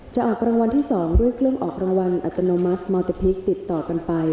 จะออกรางวัลที่๒ด้วยเครื่องออกรางวัลติดต่อกันไป